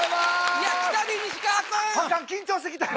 いや来たで西川君。あかん緊張してきたよ。